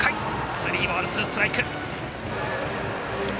スリーボール、ツーストライク。